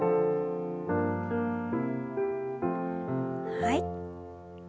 はい。